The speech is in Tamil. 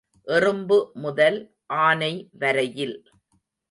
எறும்பு முதல் ஆனை வரையில்.